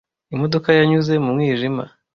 Imodoka yanyuze mu mwijima.